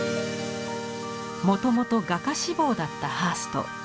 もともと画家志望だったハースト。